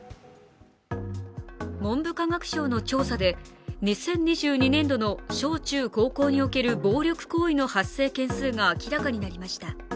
文部科学省の調査で２０２２年度の小中高校における暴力行為の発生件数が明らかになりました。